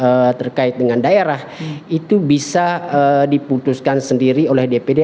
karena misinya urusan terkait dengan daerah itu bisa diputuskan sendiri oleh dpd